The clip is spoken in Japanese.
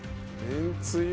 めんつゆ。